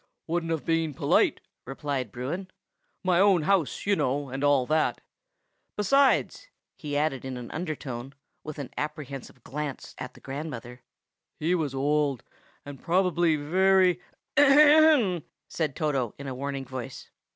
"Wouldn't have been polite!" replied Bruin. "My own house, you know, and all that. Besides," he added in an undertone, with an apprehensive glance at the grandmother, "he was old, and probably very—" "Ahem!" said Toto in a warning voice.